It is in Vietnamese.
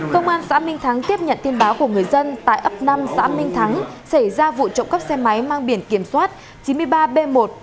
công an xã minh thắng tiếp nhận tin báo của người dân tại ấp năm xã minh thắng xảy ra vụ trộm các xe máy mang biển kiểm soát chín mươi ba b một trăm một mươi một nghìn ba trăm hai mươi